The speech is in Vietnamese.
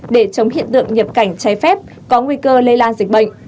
để chống hiện tượng nhập cảnh trái phép có nguy cơ lây lan dịch bệnh